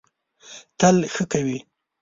تل ښه کوی.